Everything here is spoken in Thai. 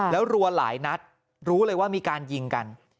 แล้วรัวหลายนัดรู้เลยว่ามีการยิงกัน